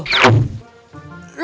lu yang dua